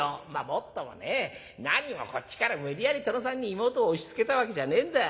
もっともね何もこっちから無理やり殿さんに妹を押しつけたわけじゃねえんだ。